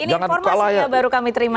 ini informasinya baru kami terima